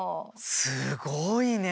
すごいね！